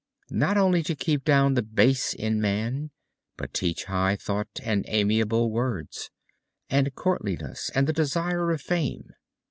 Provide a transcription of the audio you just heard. Not only to keep down the base in man. But teach high thought and amiable words. And courtliness and the desire of fame.